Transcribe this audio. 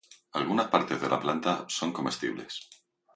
Algunas partes de la planta son comestibles.